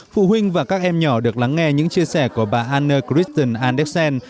phụ huynh và các em nhỏ được lắng nghe những chia sẻ của bà anna christian anderson